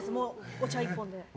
お茶一本で。